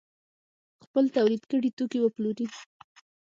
خپل تولید کړي توکي وپلوري.